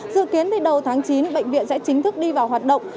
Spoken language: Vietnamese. dự kiến từ đầu tháng chín bệnh viện sẽ chính thức đi vào hoạt động